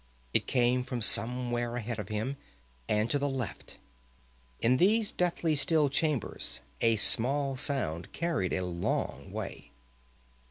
It came from somewhere ahead of him, and to the left. In those deathly still chambers a small sound carried a long way.